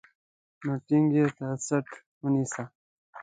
نو ټينګ يې تر څټ ونيسه.